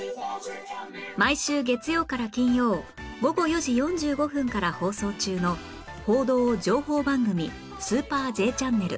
毎週月曜から金曜午後４時４５分から放送中の報道・情報番組『スーパー Ｊ チャンネル』